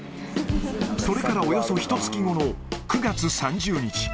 それからおよそひとつき後の９月３０日。